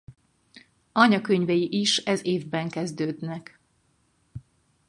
Anyakönyvei is ez évben kezdődnek.